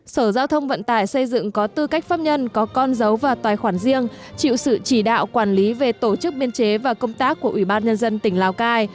sở giao thông vận tải xây dựng có tư cách pháp nhân có con dấu và tài khoản riêng chịu sự chỉ đạo quản lý về tổ chức biên chế và công tác của ủy ban nhân dân tỉnh lào cai